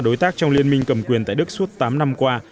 đối tác trong liên minh cầm quyền tại đức suốt tám năm qua